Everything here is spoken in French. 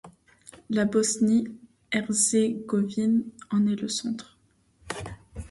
La Bosnie-Herzégovine en est le centre.